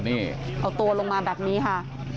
นี่เอาตัวลงมาแบบนี้ค่ะ